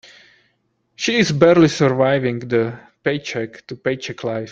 She is barely surviving the paycheck to paycheck life.